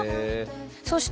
そして。